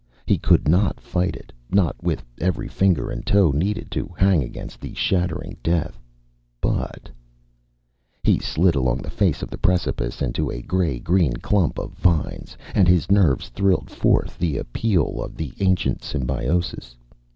He couldn't fight it, not with every finger and toe needed to hang against shattering death, but He slid along the face of the precipice into a gray green clump of vines, and his nerves thrilled forth the appeal of the ancient symbiosis.